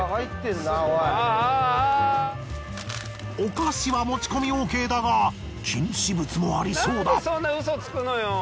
お菓子は持ち込みＯＫだが禁止物もありそうだ。